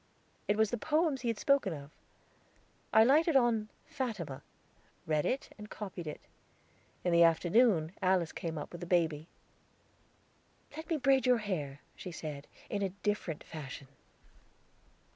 It was the poems he had spoken of. I lighted on "Fatima," read it and copied it. In the afternoon Alice came up with the baby. "Let me braid your hair," she said, "in a different fashion."